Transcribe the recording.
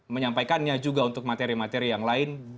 menyampaikannya juga untuk materi materi yang lain